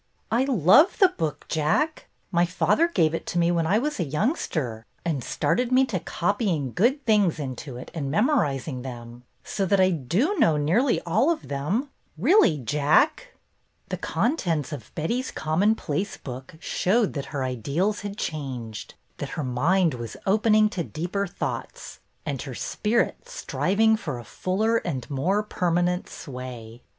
"I love the book. Jack. My father gave it to me when I was a youngster, and started me to copying good things into it and memoriz ing them. So that I do know nearly all of them, really. Jack." The contents of Betty's commonplace book showed that her ideals had changed, that her mind was opening to deeper thoughts, and her spirit striving for a fuller and more perma nent sway.